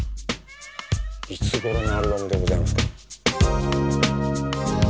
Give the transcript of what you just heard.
いつごろのアルバムでございますか？